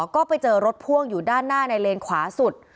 ก็ไปเจอรถพ่วงอยู่ด้านหน้าในเลนขวาสุด